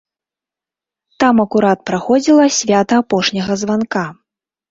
Там акурат праходзіла свята апошняга званка.